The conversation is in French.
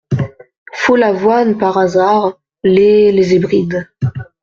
Follavoine Par hasard, les… les Hébrides…